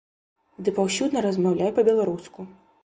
Ды паўсюдна размаўляе па-беларуску.